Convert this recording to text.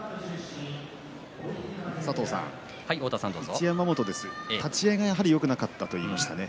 一山本ですが、立ち合いがやはりよくなかったと言いました。